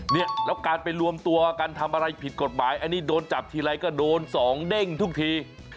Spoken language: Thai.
เนี่ยแล้วการไปรวมตัวกันทำอะไรผิดกฎหมายอันนี้โดนจับทีไรก็โดนสองเด้งทุกที